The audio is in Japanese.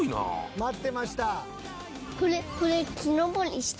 待ってました！